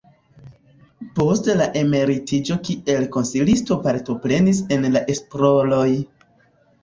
Post la emeritiĝo kiel konsilisto partoprenis en la esploroj.